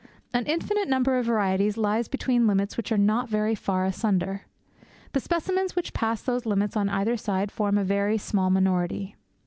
An infinite number of varieties lies between limits which are not very far asunder. The specimens which pass those limits on either side form a very small minority.'